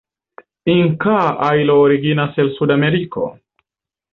Inkaa ajlo originas el Sudameriko.